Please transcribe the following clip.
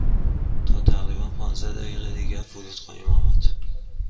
تا تقریبا پانزده دقیقه دیگر فرود خواهیم آمد.